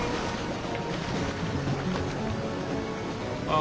あ